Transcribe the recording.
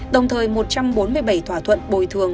đồng thời một trăm bốn mươi bảy thỏa thuận bồi thường các dự án